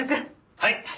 はい。